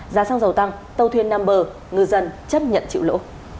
giá xăng dầu tăng tâu thuyền nam bờ ngư dân chấp nhận chịu lỗ